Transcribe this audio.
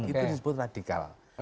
itu disebut radikal